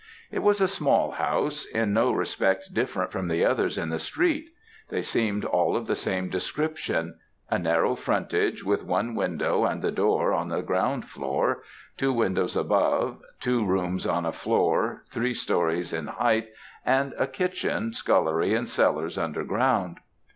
"It was a small house, in no respect different from the others in the street. They seemed all of the same description. A narrow frontage, with one window and the door, on the ground floor; two windows above; two rooms on a floor, three stories in height, and a kitchen, scullery, and cellars underground.